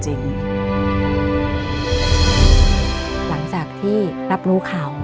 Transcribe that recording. ก็ต้องยอมรับว่ามันอัดอั้นตันใจและมันกลั้นไว้ไม่อยู่จริง